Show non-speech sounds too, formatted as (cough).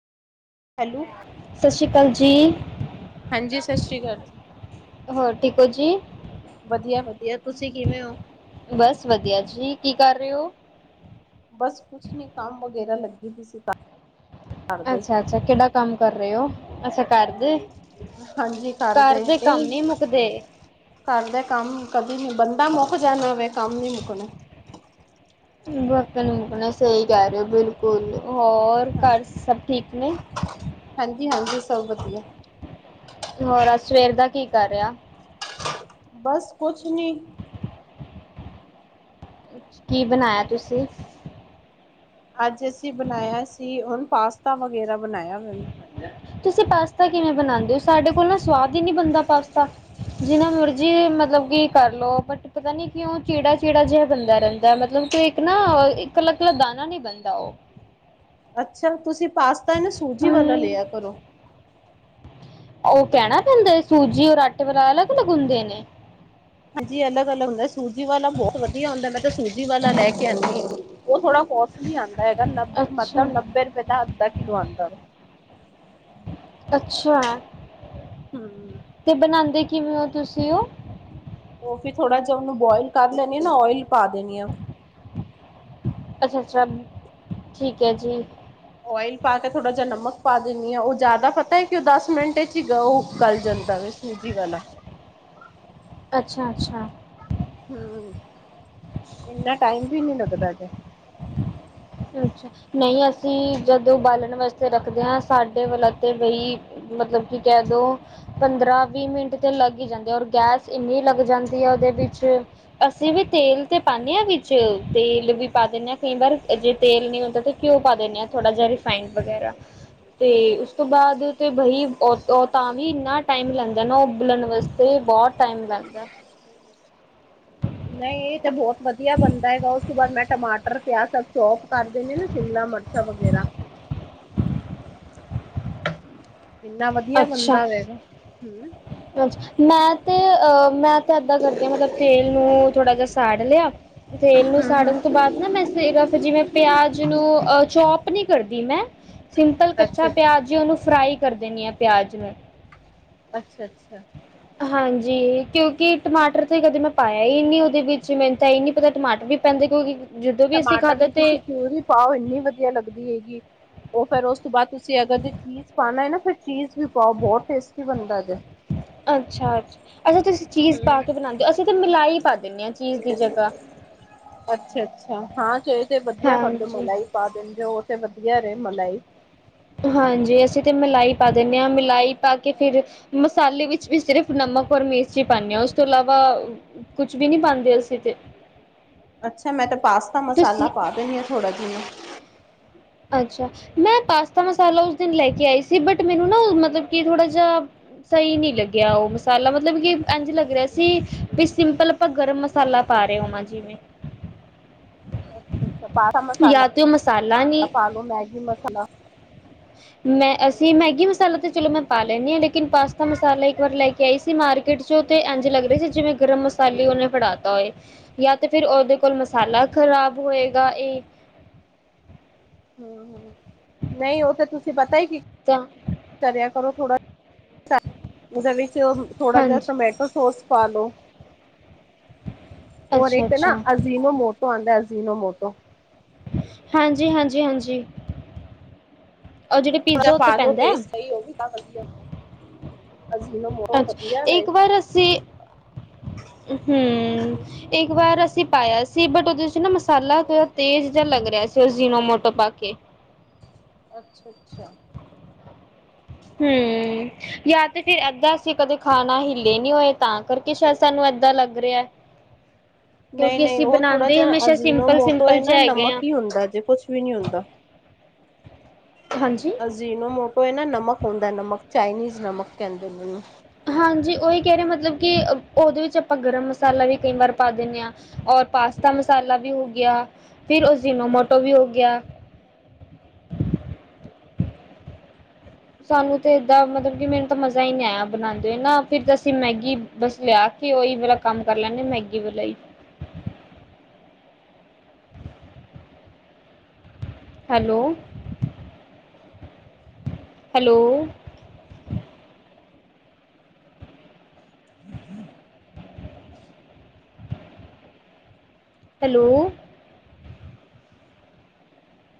Hello ਸਤਿ ਸ਼੍ਰੀ ਅਕਾਲ ਜੀ। ਹਾਂਜੀ ਸਤਿ ਸ੍ਰੀ ਅਕਾਲ ਜੀ ਹੋਰ ਠੀਕ ਹੋ ਜੀ ਵਧੀਆ- ਵਧੀਆ ਤੁ ਬਸ ਵਧੀਆ ਜੀ ਕੀ ਕਰ ਰਹੇ ਹੋ। ਬਸ ਕੁਛ ਨੀ ਕੰਮ ਵਗੈਰਾ ਲਗੀ ਵੀ ਸੀ। ਦੇ। ਅੱਛਾ- ਅੱਛਾ ਕਿਹੜਾ ਕੰਮ ਕਰ ਰਹੇ ਹੋ ਅੱਛਾ ਕਰਦੇ ਹਾਂਜੀ ਘਰ ਕਰਦੇ ਦੇ ਕੰਮ ਇਹ ਨਹੀਂ ਮੁੱਕਦੇ ਕਰਦੇ ਕੰਮ ਕਦੇ ਨੀ ਬੰਦਾ ਮੁਕ ਜਾਣਾ ਹੋਵੇ ਕਮ ਨੀ ਮੁਕਣਾ ਨਹੀ ਮੁਕਣੇ ਸਹੀ ਕਹਿ ਰਹੇ ਹੋ ਬਿਲਕੁਲ ਹੋਰ ਹਾਂਜੀ। ਘਰ ਸਭ ਠੀਕ ਨੇ- ਹਾਂਜੀ ਹਾਂਜੀ ਸਭ ਵਧੀਆ- ਹੋਰ ਅ ਸਵੇਰ ਦਾ ਕੀ ਕਰ ਰਿਹਾ ਬਸ ਕੁਛ ਨੀ- ਕੀ ਬਣਾਇਆ ਤੁਸੀ ਅਜ ਅਸੀ ਬਣਾਇਆ ਸੀ ਹਣ ਪਾਸਤਾ ਵਗੈਰਾ ਬਣਾਇਆ ਮੈਨੂੰ ਤੁਸੀ ਪਾਸਤਾ ਕਿਵੇ ਬਣਾਉਦੇ ਹੋ ਸਾਡੇ ਕੋਲ ਨਾ ਸਵਾਦ ਹੀ ਨਹੀ ਬਣਦਾ ਪਾਸਤਾ ਜੀਨਾ ਮਰਜੀ ਮਤਲਬ ਕੀ ਕਰਲਓ ਬਟ ਪਤਾ ਨੀ ਕਿਉ ਚੀੜਾ- ਚੀੜਾ ਜਿਹਾ ਬੰਦਾ ਰਹਿਦਾ ਮਤਲਬ ਇਕ ਨਾ ਇਕ ਅਲਾ ਇਕਲਾ ਦਾਣਾ ਨੀ ਬਣਦਾ ਉਹ ਅਛਾ ਤੁਸੀ ਪਾਸਤਾ ਨਾ ਸੂਜੀ ਵਾਲਾ ਹਮ ਲਿਆ ਕਰੋ ਉਹ ਕੈਣਾ ਪੈਂਦਾ ਹੈ ਸੂਜੀ ਔ ਆਟੇ ਵਾਲੇ ਅਲਗ- ਅਲਗ ਹੁਦੇ ਨੇ ਹਾਂਜੀ ਅਲਗ- ਅਲਗ ਹੁੰਦਾ ਹੈ। ਸੂਜੀ ਵਾਲਾ ਬਹੁਤ ਵਧੀਆ ਹੁੰਦਾ ਮੈਂ ਤਾਂ ਸੂਜੀ ਵਾਲਾ ਲੈਕੇ ਆਉਦੀ ਹਾਂ ਉਹ ਥੋੜਾ ਸਹੀ ਆਦਾ ਹੈਗਾ ਨ ਅੱਛਾ ਮਤਲਬ ਨਬੇ ਰੁਪਏ ਦਾ ਅਧਾ ਕਿਲੋ ਆਉਦਾ ਅਛਾ ਹੂੰ। ਅਤੇ ਬਣਾਉਦੇ ਕਿਵੇ ਹੋ ਤੁਸੀ ਉਹ ਉਹ ਫਿਰ ਥੋੜ੍ਹਾ ਜਿਹਾ ਉਹਨੂੰ ਬੋਇਲ ਕਰ ਲੈਣਾ ਆ ਨਾ ਓਇਲ ਪਾ ਦੇਦੀ ਆ ਅਛਾ- ਅਛਾ ਠੀਕ ਹੈ। ਜੀ ਓਇਲ ਪਾ ਕੇ ਥੋੜ੍ਹਾ ਜਿਹਾ ਨਮਕ ਪਾ ਦਿਨਦੀ ਆ ਉਹ ਜਆਦਾ ਪਤਾ ਹੈ। ਕਿ ਉਹ ਦਸ ਮਿਟ ਚ' ਹੀ ਉਬਲ ਜਾਦਾ ਹੈ। ਸੂਜੀ ਵਾਲਾ ਆ- ਅਛਾ- ਅਛਾ- ਇਨਾ ਟਾਈਮ ਵੀ ਨੀ ਲਗਦਾ ਅੱਛਾ ਨਹੀਂ ਅਸੀਂ ਜਦ ਉਬਾਲਣ ਵਾਸਤੇ ਰੱਖ ਦੇ ਸਾਡੇ ਵੱਲ ਤੇ ਬਈ ਮਤਲਬ ਕਿ ਕਹਿ ਦੋ ਪੰਦਰਾਂ ਵੀਹ ਮਿੰਟ ਤੇ ਲੱਗ ਜਾਂਦੇ ਔਰ ਗੈਸ ਇੰਨੀ ਲੱਗ ਜਾਂਦੀ ਹੈ ਉਹਦੇ ਵਿੱਚ ਅਸੀਂ ਵੀ ਤੇਲ ਤੇ ਪਾਉਦੇ ਹਾਂ ਵਿੱਚ ਤੇਲ ਵੀ ਪਾ ਦਿੰਦੇ ਹਾਂ ਕਈ ਵਾਰ ਜੇ ਤੇਲ ਨੀ ਹੁੰਦਾ ਤੇ ਘਿਉ ਪਾ ਦੇਿੰਦੇ ਆ ਥੋੜਾ ਜਹਾ ਰਿਫਾਈੰਡ ਵਗੈਰਾ ਤੇ ਉਸ ਤੋਂ ਬਾਅਦ ਤੇ ਬਹੀ ਤਾਂ ਵੀ ਇੰਨਾ ਟਾਈਮ ਲੈਂਦਾ ਨਾ ਉਹ ਬੁਲਣ ਵਾਸਤੇ ਬਹੁਤ ਟਾਈਮ ਲੱਗਦਾ ਨਹੀਂ ਇਹ ਤਾਂ ਬਹੁਤ ਵਧੀਆ ਬਣਦਾ ਹੈਗਾ ਉਹ ਉਸ ਤੋਂ ਬਾਅਦ ਮੈਂ ਟਮਾਟਰ ਪਿਆਜ਼ ਸਬ ਚੋਪ ਕਰ ਦਿੰਦੇ ਨਾ ਸ਼ਿਮਲਾ ਮਰਚਾਂ ਵਗੈਰਾ ਇੰਨਾ ਵਧੀਆ ਅੱਛਾ। ਬੰਦਾ ਵੇਗਾ ਹਮ ਅੱਛਾ ਮੈਂ ਤੇ ਹਮ ਅ ਮੈਂ ਤਾਂ ਇਦਾਂ ਕਰਦੀ ਹਾਂ ਮਤਲਬ ਤੇਲ ਨੂੰ ਥੋੜਾ ਜਿਹਾ ਸਾੜ ਲਿਆ ਤੇਲ ਨੂੰ ਸਾੜਨ ਤੋਂ ਬਾਅਦ ਨਾ ਮੈਂ ਇਸ ਜਿਵੇਂ ਪਿਆਜ ਨੂੰ ਅਹ ਚੋਪ ਨਹੀ ਕਰਦੇ ਮੈਂ ਸਿੰਪਲ ਕੱਚਾ ਅੱਛਾ-ਅੱਛਾ, ਪਿਆਜ ਹੀ ਉਹਨੂੰ ਫਰਾਈ ਕਰ ਦੇਿੰਦੀ ਆ ਪਿਆਜ ਨੂੰ ਅੱਛਾ ਅੱਛਾ ਹਾਂਜੀ ਕਿਉਂਕਿ ਟਮਾਟਰ ਕਦੇ ਮੈਂ ਪਾਇਆ ਹੀ ਨੀ ਉਹਦੇ ਵਿੱਚ ਮੈਨੂੰ ਤਾਂ ਇਹ ਨੀ ਪਤਾ ਟਮਾਟਰ ਵੀ ਪੈਂਦੇ ਕਿਉਂਕਿ ਜਦੋਂ ਵੀ ਅਸੀਂ ਟਮਾਟਰ ਖਾਧਾ ਦੀ ਤੇ ਤੁਸੀਂ ਘਿਊ ਹੀ ਪਾਓ ਇੰਨੀ ਵਧੀਆ ਲੱਗਦੀ ਹੈਗੀ ਉਹ ਫੇਿਰ ਉਸ ਤੋਂ ਬਾਅਦ ਤੁਸੀਂ ਅਗਰ ਜੇ ਚੀਜ਼ ਪਾਣਾ ਹੈ ਨਾ ਫਿਰ ਚੀਜ਼ ਵੀ ਪਾਓ ਬਹੁਤ ਟੇਸਟੀ ਬਣਦਾ ਜੇ ਅੱਛਾ ਅੱਾ ਅੱਛਂ ਤੁਸੀਂ ਚੀਜ਼ ਪਾ ਹੂੰ। ਕੇ ਬਣਾਉਂਦੇ ਹੋ ਅਸੀਂ ਤਾਂ ਮਿਲਾਈ ਪਾ ਦਿੰਦੇ ਹਾਂ ਚੀਜ਼ ਦੀ ਜਗ੍ਹਾ ਅੱਛਾ ਅੱਛਾ ਹਾਂ ਚ ਇਹ ਤੇ ਵਧੀਆ ਖਦ ਹਾਂਜੀ ਮਲਾ ਹੀ ਪਾ ਦੇਣ ਜੋ ਵਧੀਆ ਰਹੇ ਮਲਾਈ ਹਾਂਜੀ ਅਸੀਂ ਤੇ ਮਲਾਈ ਪਾ ਦਿੰਦੇ ਹਾਂ ਮਲਾਈ ਪਾ ਕੇ ਫਿਰ ਮਸਾਲੇ ਵਿੱਚ ਵੀ ਸਿਰਫ ਨ ਨਮਕ ਔਰ ਮਿਰਚੀ ਪਾਉਂਦੇ ਹਾਂ ਉਸ ਤੋਂ ਇਲਾਵਾ ਕੁਛ ਵੀ ਨੀ ਪਾਉਂਦੇ ਅਸੀਂ ਤੇ ਅੱਛਾ ਮੈਂ ਤੇ ਪਾਸਤਾ ਮਸਾਲਾ ਤੁਸੀਂ ਪਾ ਦੇਣੀ ਹਾਂ ਥੋੜਾ ਜਿਨ ਅੱਛਾ ਮੈਂ ਪਾਸਤਾ ਮਸਾਲਾ ਉਸ ਦਿਨ ਲੈ ਕੇ ਆਈ ਸੀ ਬਟ ਮੈਨੂੰ ਨਾ ਮਤਲਬ ਕਿ ਥੋੜਾ ਜਾਹਾ ਸਹੀ ਨਹੀਂ ਲੱਗਿਆ ਉਹ ਮਸਾਲਾ ਮਤਲਬ ਕਿ ਇੰਝ ਲੱਗ ਰਿਹਾ ਸੀ ਵੀ ਸਿੰਪਲ ਆਪਾਂ ਗਰਮ ਮਸਾਲਾ ਪਾ ਰਹੇ ਹੋ ਮਾਂ ਜਿਵੇਂ ਹ ਅੱਛਾ ਅੱਛਾ ਬਾਰਾ ਜਾਂ ਤੇ ਉਹ ਨਹੀਂ ਮਸਾਲਾ ਪਾਾਲੋ ਮੈਗੀ ਮਸਾਲਾ ਮੈਂ ਅਸੀਂ ਮੈਗੀ ਮਸਾਲਾ ਤਾਂ ਚਲੋ ਮੈਂ ਪਾ ਲੈਦੀ ਹਾਂ ਲੇਕਿਨ ਪਾਸਤਾ ਮਸਾਲਾ ਇੱਕ ਵਾਰ ਲੈ ਕੇ ਆਈ ਸੀ ਮ ਮਾਰਕੀਟ ਚ ਤੇ ਇੰਜ ਲੱਗ ਰਹੀ ਸੀ ਜਿਵੇਂ ਗਰਮ ਮਸਾਲੇ ਉਹਨੇ ਫੜਾਤਾ ਹੋਏ ਜਾਂ ਤੇ ਫਿਰ ਉਹਦੇ ਕੋਲ ਮਸਾਲੇ ਲਾ ਖ਼ਰਾਬ ਹੋਏਗਾ ਇਹ (inaudible) ਹਮ ਹਮ ਨਹੀਂ ਉਹ ਤੇ ਤੁਸੀਂ ਪਤਾ ਹੀ ਕਿ ਤਾਂ ਕਰਿਆ ਕਰੋ ਥੋੜਾ ਉਹਦੇ ਵਿੱਚ ਥੋੜ੍ਹਾ ਜਿਹਾ ਹਾਂਜੀ ਟਮੈਟੋ ਸੌਸ ਪਾ ਲਓ ਹੋਰ ਅੱਛਾ ਇੱਕ ਨਾ ਅੱਛਾ ਅਜੀਿਨੋ ਮੋਟੋ ਆਉਂਦਾ ਅਜੀਿਨੋ ਮੋਟੋ ਹਾਂਜੀ ਹਾਂਜੀ ਹਾਂਜੀ ਉਹ ਜਿਹੜੇ ਹੁਣ ਪੀਜ਼ਾ ਉੱਤੇ ਪਾਣ ਨੂੰ ਪੈਂਦਾ ਟੇਸਟ ਹੈ। ਉਹ ਵੀ ਤਾਂ ਵਧੀਆ ਹਦਾ ਅੱਛਾ ਇੱਕ ਵਾਰ ਅਸੀਂ ਹਮ ਇੱਕ ਵਾਰ ਅਸੀ ਪਾਇਆ ਸੀ ਬਟ ਉਹਦੇ ਚ ਨਾ ਮਸਾਲਾਾ ਤੇਜ਼ ਜਿਹਾ ਲੱਗ ਰਿਹਾ ਸੀ ਉਹ ਜੀਨੋ ਮੋਟੋ ਪਾ ਕੇ ਹ ਅੱਛਾ ਅੱਛਾ ਹਮ ਜਾਂ ਤੇ ਫਿਰ ਅੱਧਾ ਅਸੀਂ ਕਦੇ ਖਾਣਾ ਹਿੱਲੇ ਨੀ ਹੋਏ ਤਾਂ ਕਰਕੇ ਸਾਨੂੰ ਕੀਦਾਂ ਲੱਗ ਰਿਹਾ ਹ ਨਹੀਂ ਕਿਉਂਕਿ ਨਹੀਂ ਅਸੀਂ ਉਹ ਥੋੜਾ ਬਣਾਉਂਦੇ ਜਿਹਾ ਹਮੇਸ਼ਾ ਅਜੀਿਨੋ ਮੋਟੋ ਹੈ ਸਿੰਪਲ-ਸਿੰਪਲ ਜੇ ਨਾ ਹੈਗੇ ਨਮਕ ਆ। ਹੀ ਹੁੰਦਾ ਜੇ ਕੁਛ ਵੀ ਨਹੀਂ ਹੁੰਦਾ ਹਾਂਜੀ। ਅਜੀਨ ਮੋਟੋ ਹੈ ਨਾ ਨਮਕ ਹੁੰਦਾ ਨਮਕ ਚਾਈਨੀਜ਼ ਨਮਕ ਕਹਿੰਦੇਨੂੰ ਹਾਂਜੀ ਉਹੀ ਕਹਿ ਰਹੇ ਮਤਲਬ ਕਿ ਉਹਦੇ ਵਿੱਚ ਆਪਾਂ ਗਰਮ ਮਸਾਲਾ ਵੀ ਕਈ ਵਾਰ ਪਾ ਦਿੰਦੇ ਹਾਂ ਪਾਸਤਾ ਮਸਾਲਾ ਵੀ ਹੋ ਗਿਆ ਫਿਰ ਉਸਨੋਮੋਟੋ ਵੀ ਹੋ ਗਿਆ। (inaudible) ਸਾਨੂੰ ਤਾਂ ਏਦਾਂ ਮਤਲਬ ਕਿ ਮੈਨੂੰ ਤਾਂ ਮਜ਼ਾ ਹੀ ਨਹੀਂ ਆਇਆ ਬਣਾਂਦੇ ਨਾ ਫਿਰ ਤਾਂ ਅਸੀਂ ਮੈਗੀ ਬਸ ਲਿਆ ਤੇ ਉਹੀ ਮੇਰਾ ਕੰਮ ਕਰ ਲੈਂਦੇ ਮੈਗੀ ਵਲਾ ਹੀ। (inaudible) ਹੈਲੋ। ਹੈਲੋ। (inaudible) ਹੈਲੋ।